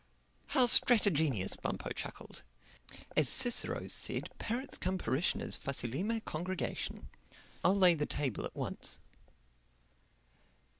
"How stratagenious!" Bumpo chuckled. "As Cicero said, parrots cum parishioners facilime congregation. I'll lay the table at once."